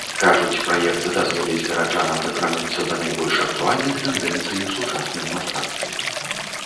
Кажуць, праект дазволіць гараджанам дакрануцца да найбольш актуальных тэндэнцый у сучасным мастацтве.